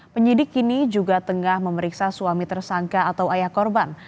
penyidik kini juga tengah memeriksa suami tersangka atau ayah korban